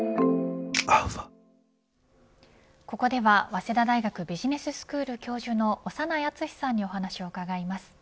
ここでは早稲田大学ビジネススクール教授の長内厚さんにお話を伺います。